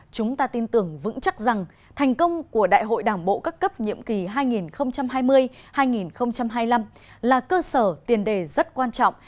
chúng ta tin tưởng vững chắc rằng thành công của đại hội đảng bộ các cấp nhiệm kỳ hai nghìn hai mươi hai nghìn hai mươi năm là cơ sở tiền đề rất quan trọng